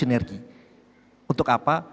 energi untuk apa